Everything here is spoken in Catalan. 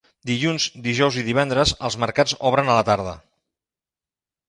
Dilluns, dijous i divendres els mercats obren a la tarda.